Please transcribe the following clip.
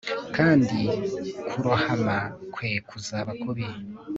Kandi kurohama kwe kuzaba kubi